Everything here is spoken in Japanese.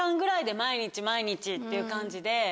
毎日毎日っていう感じで。